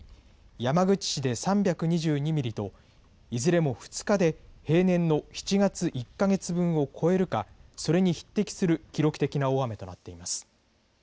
山口市で３２２ミリといずれも２日で平均の７月、１か月分を超えるかそれに匹敵する記録的な大雨となっています。